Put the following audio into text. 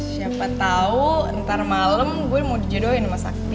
siapa tau ntar malem gue mau dijodohin sama sakti